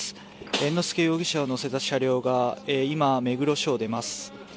猿之助容疑者乗せた車両が今、目黒署を出ます。